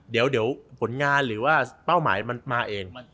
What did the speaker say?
เดี๋ยวผลงานหรือว่าเป้าหมายมันมาเอง